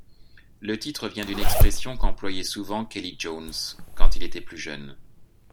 Le titre vient d'une expression qu'employait souvent Kelly Jones quand il était plus jeune.